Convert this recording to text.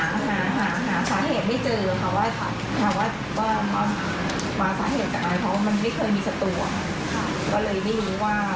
แต่ว่ามาสาเหตุกับอะไรเพราะว่ามันไม่เคยมีสัตว์